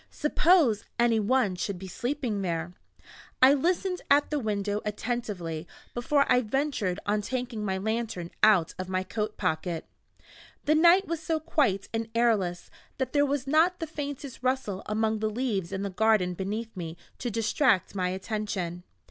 Suppose any one should be sleeping there! I listened at the window attentively before I ventured on taking my lantern out of my coatpocket. The night was so quite and airless that there was not the faintest rustle among the leaves in the garden beneath me to distract my attention.